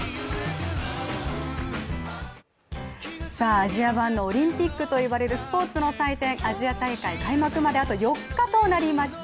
アジア版のオリンピックといわれるスポーツの祭典アジア大会開幕まであと４日となりました。